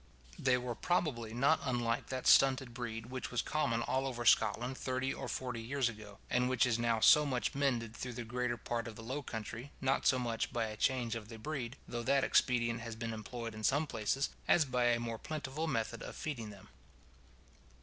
They were probably not unlike that stunted breed which was common all over Scotland thirty or forty years ago, and which is now so much mended through the greater part of the low country, not so much by a change of the breed, though that expedient has been employed in some places, as by a more plentiful method of feeding them.